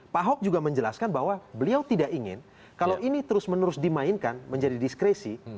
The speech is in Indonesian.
pak ahok juga menjelaskan bahwa beliau tidak ingin kalau ini terus menerus dimainkan menjadi diskresi